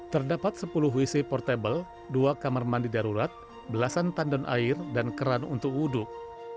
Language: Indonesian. terdapat sepuluh wc portable dua kamar mandi darurat belasan tandon air dan keran untuk wuduk